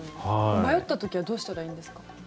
迷った時はどうしたらいいんですか？